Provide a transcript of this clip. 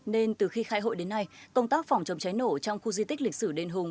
nên từ khi khai hội đến nay công tác phòng chống cháy nổ trong khu di tích lịch sử đền hùng